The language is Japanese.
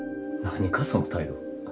何かその態度。